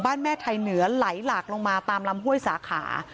แม่ไทยเหนือไหลหลากลงมาตามลำห้วยสาขา